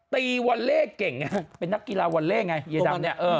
วอลเล่เก่งไงเป็นนักกีฬาวอลเล่ไงเยดำเนี่ย